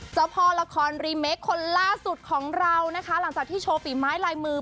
เจ้าพ่อละครรีเมคคนล่าสุดของเรานะคะหลังจากที่โชว์ฝีไม้ลายมือ